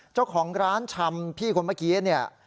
เจ้าของร้านชำพี่คนเมื่อกี้เนี่ย